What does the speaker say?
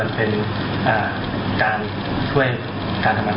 ตตตตตตต